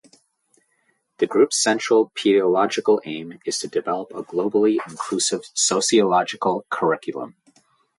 The group's central pedagogical aim is to develop a globally inclusive sociological curriculum.